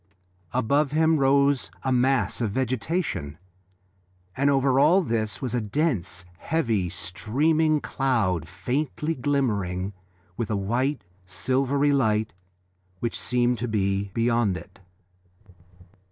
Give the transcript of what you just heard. Above him rose a mass of vegetation, and over all this was a dense, heavy, streaming cloud faintly glimmering with a white, silvery light which seemed to be beyond it.